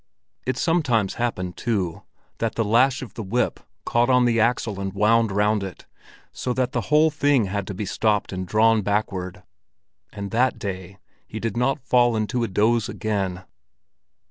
It sometimes happened, too, that the lash of the whip caught on the axle and wound round it, so that the whole thing had to be stopped and drawn backward; and that day he did not fall into a doze again.